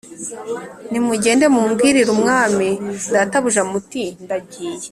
Nimugende mumbwirire umwami databuja muti ndagiye